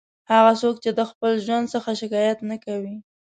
هغه څوک چې د خپل ژوند څخه شکایت نه کوي.